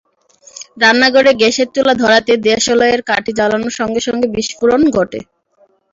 রান্নাঘরে গ্যাসের চুলা ধরাতে দেশলাইয়ের কাঠি জ্বালানোর সঙ্গে সঙ্গে বিস্ফোরণ ঘটে।